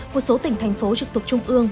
một số tỉnh thành phố trực tục trung ương